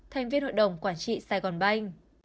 thành viên hội đồng quản trị saigon bank